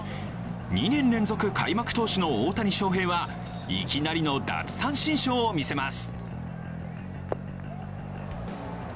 ２年連続開幕投手の大谷翔平は、いきなりの奪三振ショーを見せます。